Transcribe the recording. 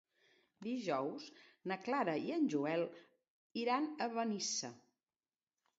Dijous na Clara i en Joel iran a Benissa.